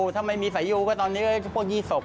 ถ้าไม่มีสายยูก็ตอนนี้ก็พวกยี่ศพ